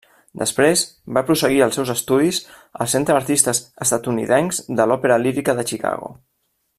Després va prosseguir els seus estudis al Centre d'Artistes Estatunidencs de l'Òpera Lírica de Chicago.